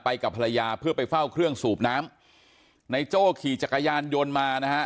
กับภรรยาเพื่อไปเฝ้าเครื่องสูบน้ำในโจ้ขี่จักรยานยนต์มานะฮะ